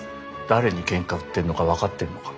誰にケンカ売ってるのか分かってんのか。